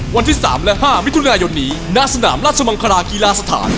วันที่สามและห้ามิถุนายนนี้นาศนามราชมังคารากีฬาสถาน